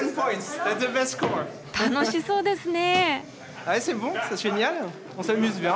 楽しそうですね。